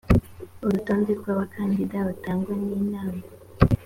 urutonde rw abakandida batangwa n inama